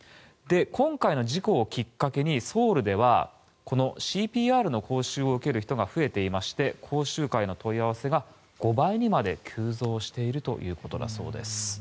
今回の事故をきっかけにソウルではＣＰＲの講習を受ける人が増えていまして講習会の問い合わせが５倍にまで急増しているということだそうです。